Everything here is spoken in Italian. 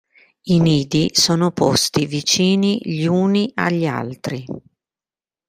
I nidi sono posti vicini gli uni agli altri.